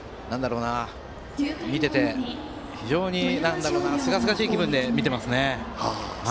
非常にすがすがしい気分で見ていますね。